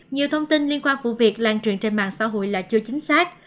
nhiều thông tin liên quan vụ việc lan truyền trên mạng xã hội là chưa chính xác